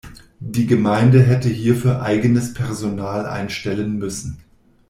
Die Gemeinde hätte hierfür eigenes Personal einstellen müssen.